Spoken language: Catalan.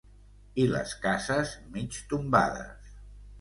I les cases mig tombades...